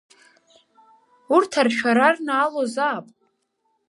Урҭ аршәара рнаалозаап!